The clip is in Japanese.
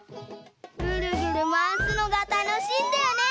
ぐるぐるまわすのがたのしいんだよね！